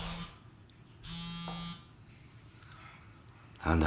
何だ？